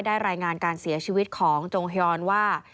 รายงานการเสียชีวิตของจงฮยอนว่า